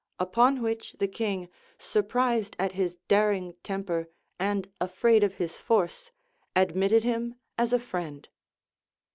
Upon which the king, sur prised at his daring temper and afraid of his force, ad mitted him as a friend.